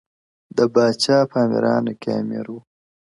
د پاچا په امیرانو کي امیر وو!.